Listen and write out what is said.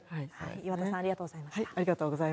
岩田さん、ありがとうございました。